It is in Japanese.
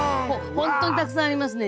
ほんとにたくさんありますね。